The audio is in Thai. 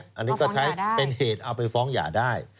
อันนี้ก็ใช้เป็นเหตุเอาไปฟ้องหย่าได้